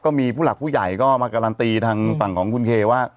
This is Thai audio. ก็มีผู้หลักผู้ใหญ่ก็มาการันตีทางฝั่งของคุณเคว่า